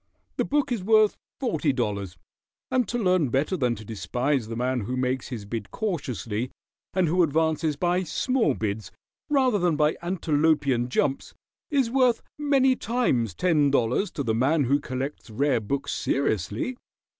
The book is worth forty dollars; and to learn better than to despise the man who makes his bid cautiously, and who advances by small bids rather than by antelopian jumps, is worth many times ten dollars to the man who collects rare books seriously.